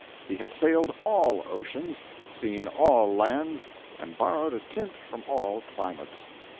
He had sailed all oceans, seen all lands, and borrowed a tint from all climates.